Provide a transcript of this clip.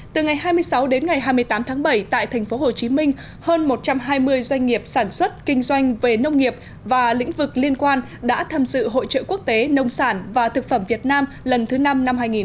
từ ngày hai mươi sáu đến ngày hai mươi tám tháng bảy tại tp hcm hơn một trăm hai mươi doanh nghiệp sản xuất kinh doanh về nông nghiệp và lĩnh vực liên quan đã tham dự hội trợ quốc tế nông sản và thực phẩm việt nam lần thứ năm năm hai nghìn một mươi chín